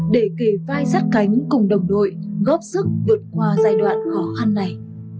để kề vai sát cánh cùng đồng đội góp sức vượt qua giai đoạn khó khăn này